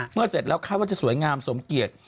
เสร็จแล้วคาดว่าจะสวยงามสมเกียจ